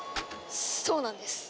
そうなんです。